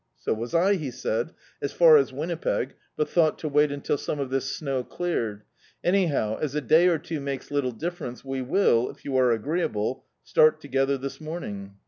"So was I," he said, "as far as Winnipeg, but thought to wait until seme of this snow cleared. Anyhow, as a day or two makes little difference, we will, if you are agreeable, start together this morning.